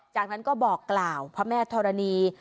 จากนั้นก็บอกกล่าวพระแม่ธรณี